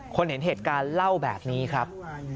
เห็นเหตุการณ์เล่าแบบนี้ครับ